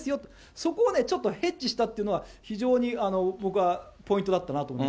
そこをね、ちょっとヘッジしたというのは、非常に僕はポイントだったなと思